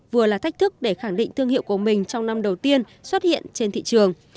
vừa là thách thức để khẳng định thương hiệu của mình trong năm đầu tiên xuất hiện trên thị trường